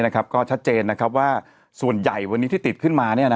ก็ชัดเจนว่าส่วนใหญ่วันนี้ที่ติดขึ้นมา